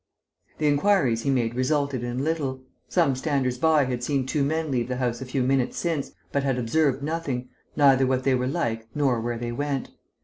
The inquiries he made resulted in little. Some standers by had seen two men leave the house a few minutes since, but had observed nothing, neither what they were like nor where they went.